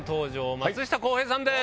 松下洸平さんです。